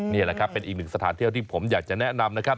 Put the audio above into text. นี่แหละครับเป็นอีกหนึ่งสถานที่ที่ผมอยากจะแนะนำนะครับ